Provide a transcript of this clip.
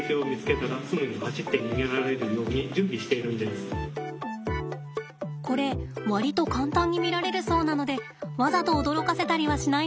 多分これ割と簡単に見られるそうなのでわざと驚かせたりはしないのが正解かと。